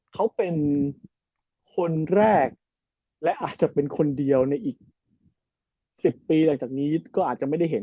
เขาเป็นคนแรกและอาจจะเป็นคนเดียวในอีก๑๐ปีหลังจากนี้ก็อาจจะไม่ได้เห็น